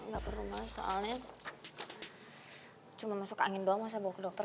nggak perlu mas soalnya cuma masuk angin doang masa bawa ke dokter